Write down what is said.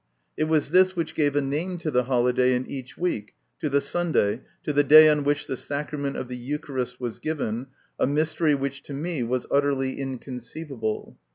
It was this which gave a name to the holiday in each week, to the Sunday, to the day on which the sacrament of the Eucharist was given, a mystery which to me was utterly inconceivable.